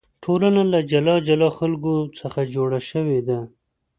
ټولنه له جلا جلا خلکو څخه جوړه شوې ده.